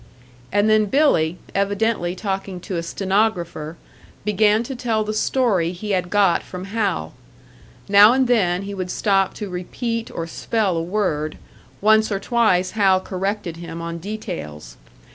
And then Billy, evidently talking to a stenographer, began to tell the story he had got from Hal. Now and then he would stop to repeat or spell a word; once or twice Hal corrected him on details.